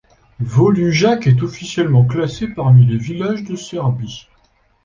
Volujac est officiellement classé parmi les villages de Serbie.